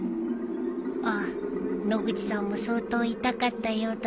あっ野口さんも相当痛かったようだね。